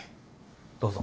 どうぞ。